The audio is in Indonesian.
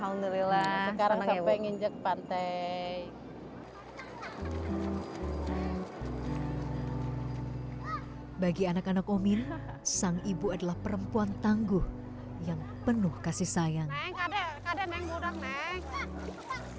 pasal yang kandung facebook unter dengkinde bingung bagi anak anak omg sang ibu adalah perempuan tangguh yang penuh kasih sayang berubah untuk anak yang masih ber defect istri woman bel tim ini memang nation has rata kasih sayang cheering dan bertohu himself sang rev oben atau sekarang juga terima kasih